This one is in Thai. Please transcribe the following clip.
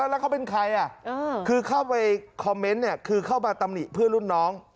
แล้วเขาเป็นใครคือเข้าไปคอมเมนต์เนี่ยคือเข้ามาตำหนิเพื่อนรุ่นน้อง